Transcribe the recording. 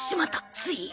つい。